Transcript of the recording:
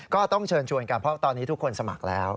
ก็ต้องเชิญชวนกันเพราะตอนนี้ทุกคนสมัครแล้ว